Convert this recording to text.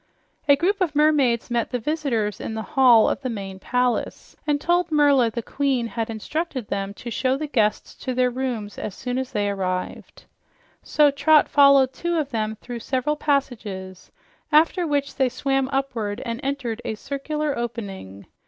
A group of mermaids met the visitors in the hall of the main palace and told Merla the queen had instructed them to show the guests to their rooms as soon as they arrived. So Trot followed two of them through several passages, after which they swam upward and entered a circular opening.